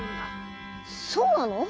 そうなの？